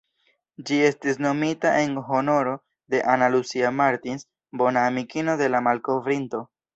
Ĝi estis nomita en honoro de "Ana Lucia Martins", bona amikino de la malkovrinto.